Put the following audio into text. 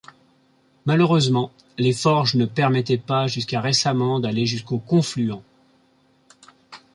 Malheureusement, les forges ne permettait pas jusqu'à récemment d'aller jusqu'au confluent.